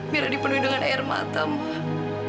mira dipenuhi dengan air mata ma